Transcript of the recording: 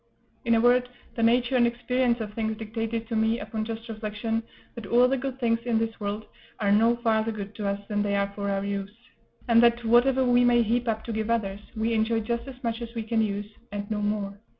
In a word, the nature and experience of things dictated to me, upon just reflection, that all the good things of this world are no farther good to us than they are for our use; and that, whatever we may heap up to give others, we enjoy just as much as we can use, and no more.